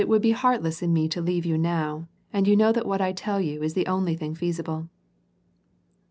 243 would be heartless in me to leave you now ; and you know that what I tell you is the only thing feasible."